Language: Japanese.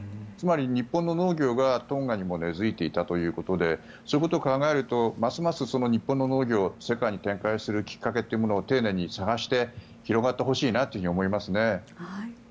つまり、日本の農業がトンガにも根付いていたということでそういうことを考えるとますます日本の農業を世界に展開するきっかけというものを丁寧に探して広がってほしいなと思いますね。